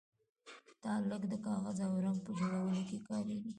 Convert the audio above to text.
تالک د کاغذ او رنګ په جوړولو کې کاریږي.